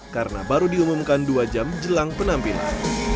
karena baru diumumkan dua jam jelang penampilan